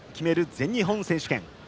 全日本選手権。